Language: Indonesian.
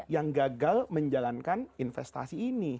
yang gagal menjalankan investasi ini